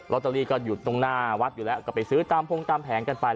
ตเตอรี่ก็หยุดตรงหน้าวัดอยู่แล้วก็ไปซื้อตามพงตามแผงกันไป